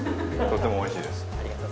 とてもおいしいです。